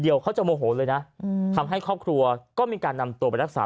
เขาจะโมโหเลยนะทำให้ครอบครัวก็มีการนำตัวไปรักษา